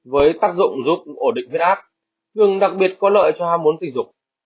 với tác dụng giúp ổn định huyết áp gừng đặc biệt có lợi cho ham muốn tình dục